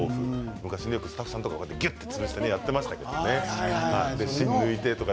昔よく、スタッフさんがぎゅっと潰してやっていましたね。